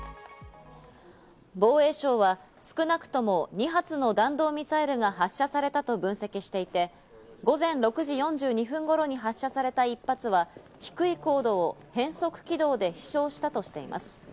防衛省は少なくとも２発の弾道ミサイルが発射されたと分析していて、午前６時４２分頃に発射された１発は低い高度を変速軌道で飛翔したとしています。